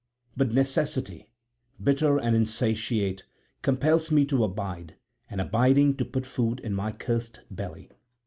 But necessity, bitter and insatiate, compels me to abide and abiding to put food in my cursed belly.